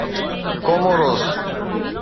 Comoros